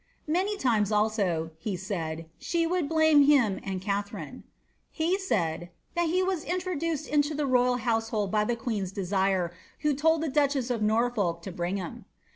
^ Many times also," he said, ^^ she would blame him and Katharine.^* He said ^ that he was introduced into the royal household by the quetn^' desire, who told the duchess of Norfolk to bring him."'